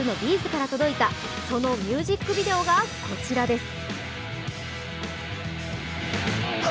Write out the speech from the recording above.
’ｚから届いたそのミュージックビデオがこちらです。